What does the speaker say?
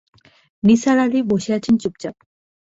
নিসার আলি বসে আছেন চুপচাপ।